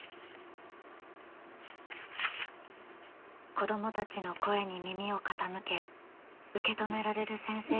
子どもたちの声に耳を傾け受け止められる先生になりたい。